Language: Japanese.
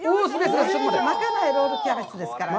巻かないロールキャベツですからね。